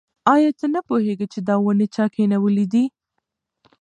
ایا ته پوهېږې چې دا ونې چا کینولي دي؟